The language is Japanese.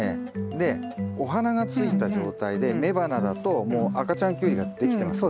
でお花がついた状態で雌花だともう赤ちゃんキュウリができてますんで。